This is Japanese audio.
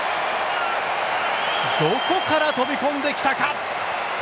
どこから飛び込んできたか。